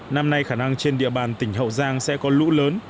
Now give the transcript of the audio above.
năm nay khả năng trên địa bàn tỉnh hậu giang sẽ có lũ lớn